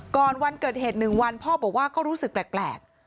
วันเกิดเหตุ๑วันพ่อบอกว่าก็รู้สึกแปลก